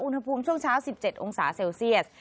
อุณหภูมิช่วงเช้า๑๗องศาเซลเซียส